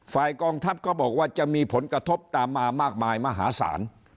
กองทัพก็บอกว่าจะมีผลกระทบตามมามากมายมหาศาล